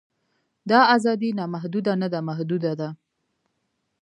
دا ازادي نامحدوده نه ده محدوده ده.